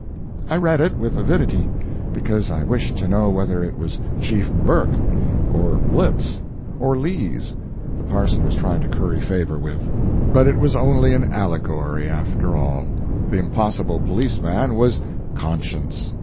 I read it with avidity, because I wished to know whether it was Chief Burke, or Blitz, or Lees, the parson was trying to curry favor with. But it was only an allegory, after all; the impossible police man was "Conscience."